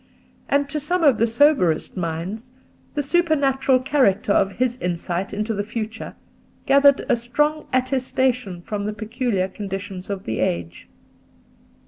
And to some of the soberest minds the supernatural character of his insight into the future gathered a strong attestation from the peculiar conditions of the age.